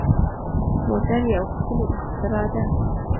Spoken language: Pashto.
موټر یو ښکلی اختراع ده.